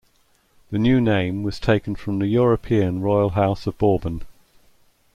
The new name was taken from the European royal House of Bourbon.